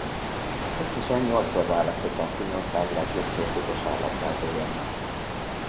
Összesen nyolcszor választották Finnország legjobb férfi kosárlabdázójának.